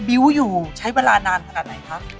้วอยู่ใช้เวลานานขนาดไหนคะ